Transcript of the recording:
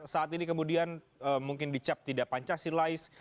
saat ini kemudian mungkin dicap tidak pancasilais